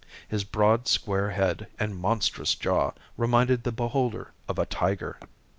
His broad square head and monstrous jaw reminded the beholder of a tiger.